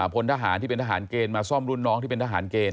พลทหารที่เป็นทหารเกณฑ์มาซ่อมรุ่นน้องที่เป็นทหารเกณฑ